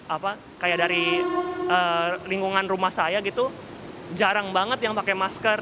apa kayak dari lingkungan rumah saya gitu jarang banget yang pakai masker